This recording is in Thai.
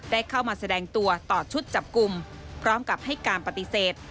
ได้เข้ามาแสดงตัวต่อชุดจับกลุ่มพร้อมกับให้การปฏิเสธ